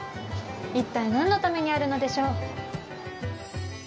一体何のためにあるのでしょう。